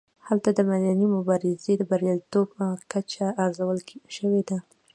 هلته د مدني مبارزې د بریالیتوب کچه ارزول شوې ده.